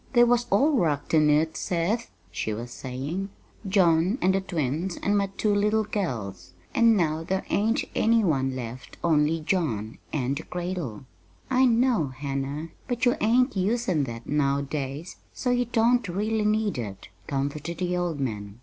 "They was all rocked in it, Seth," she was saying, "John and the twins and my two little girls; and now there ain't any one left only John and the cradle." "I know, Hannah, but you ain't usin' that nowadays, so you don't really need it," comforted the old man.